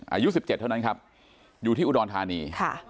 อายุ๑๗เท่านั้นครับอยู่ที่อุดรธานี